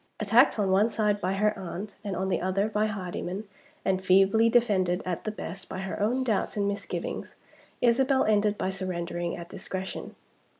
Attacked on one side by her aunt, and on the other by Hardyman, and feebly defended, at the best, by her own doubts and misgivings, Isabel ended by surrendering at discretion.